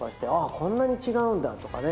こんなに違うんだとかね。